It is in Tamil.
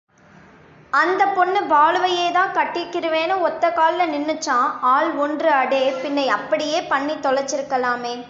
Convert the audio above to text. அந்தப் பொண்ணு பாலுவையேதான் கட்டிக்கிருவேன்னு ஒத்தக்கால்லே நின்னுச்சாம் ஆள் ஒன்று அடே, பின்னே அப்படியே பண்ணித் தொலைச்சிருக்கலாமே.